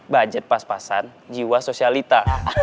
budget pas pasan jiwa sosialita